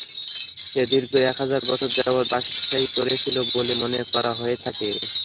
সে দীর্ঘ এক হাজার বছর যাবত বাদশাহী করেছিল বলে মনে করা হয়ে থাকে।